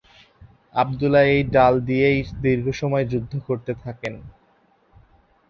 আবদুল্লাহ এই ডাল দিয়েই দীর্ঘসময় যুদ্ধ করতে থাকেন।